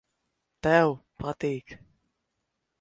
Tev patīk.